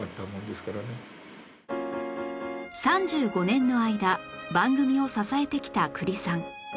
３５年の間番組を支えてきた久利さん